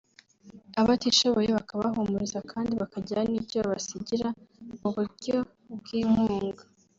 abatishoboye bakabahumuriza kandi bakagira n’icyo babasigira mu buryo bw’inkunga